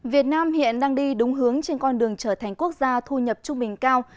việt nam hiện đang đi đúng hướng trên con đường trở thành quốc gia thu nhập trung bình cao